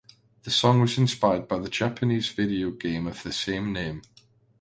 The song was inspired by the Japanese video game of the same name.